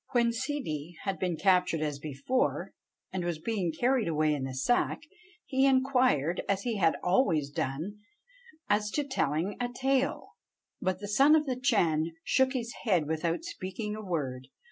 When Ssidi had been captured as before, and was being carried away in the sack, he inquired, as he had always done, as to telling a tale; but the Son of the Chan shook his head without speaking a word.